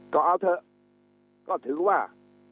ก็เอาเถอะก็ถือว่า